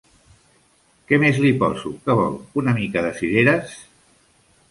Què més li poso? Que vol una mica de cireres!